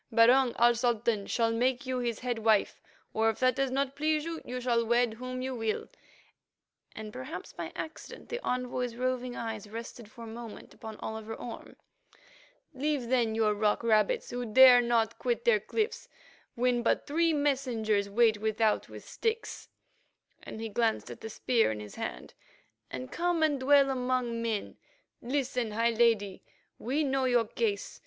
Barung, our Sultan, shall make you his head wife; or, if that does not please you, you shall wed whom you will"—and, perhaps by accident, the envoy's roving eyes rested for a moment upon Oliver Orme. "Leave, then, your rock rabbits, who dare not quit their cliffs when but three messengers wait without with sticks," and he glanced at the spear in his hand, "and come to dwell among men. Listen, high Lady; we know your case.